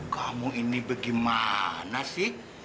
kamu ini bagaimana sih